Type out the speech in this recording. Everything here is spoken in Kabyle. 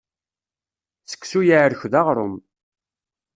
Seksu yeɛrek d aɣrum.